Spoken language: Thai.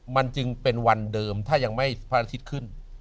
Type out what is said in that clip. มันจึงเป็นวันเดิมถ้ายังไม่พระอาทิตย์ขึ้น